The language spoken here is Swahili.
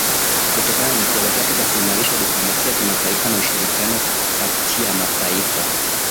kutokana na jitihada zake za kuimarisha diplomasia ya kimataifa na ushirikiano katia ya mataifa